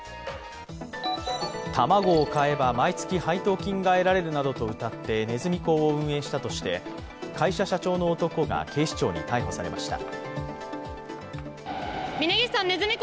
卵を買えば、毎月配当金が得られるなどとうたってねずみ講を運営したとして会社社長の男が警視庁に逮捕されました。